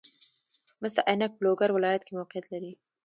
مس عینک په لوګر ولایت کې موقعیت لري